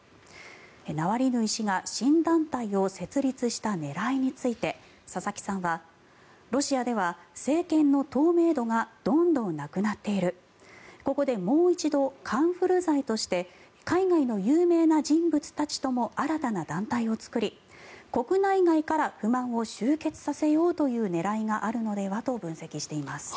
ナワリヌイ氏が新団体を設立した狙いについて佐々木さんはロシアでは政権の透明度がどんどんなくなっているここでもう一度カンフル剤として海外の有名な人物たちとも新たな団体を作り国内外から不満を集結させようという狙いがあるのではと分析しています。